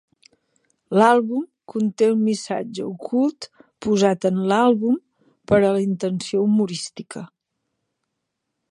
L'àlbum conté un missatge ocult posat en l'àlbum per a la intenció humorística.